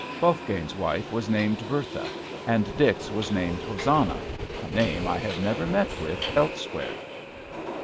(Wolfgang's wife was named Bertha, and Dick's was named Hosanna, a name I have never met with elsewhere.)